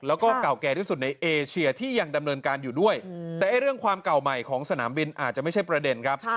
แล้วก็เก่าแก่ที่สุดในเอเชียที่ยังดำเนินการอยู่ด้วยแต่เรื่องความเก่าใหม่ของสนามบินอาจจะไม่ใช่ประเด็นครับ